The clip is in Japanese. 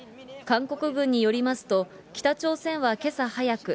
韓国軍によりますと、北朝鮮はけさ早く、